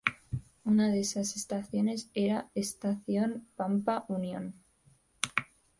Una de esas estaciones era "Estación Pampa Unión".